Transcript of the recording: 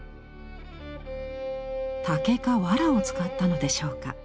竹かわらを使ったのでしょうか。